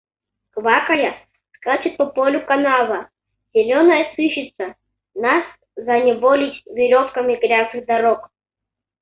Квакая, скачет по полю канава, зеленая сыщица, нас заневолить веревками грязных дорог.